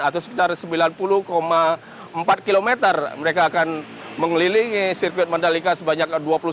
atau sekitar sembilan puluh empat km mereka akan mengelilingi sirkuit mandalika sebanyak dua puluh sembilan